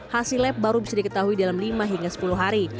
hasil lab baru bisa diketahui dalam lima hingga sepuluh hari